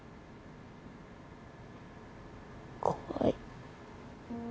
怖い。